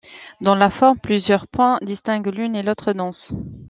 Dans la forme, plusieurs points distinguent l'une et l'autre danse.